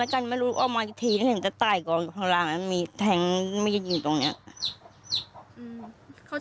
เขาหึงห่วงอะไรเรา